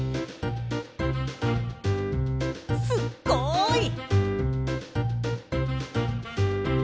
すっごい！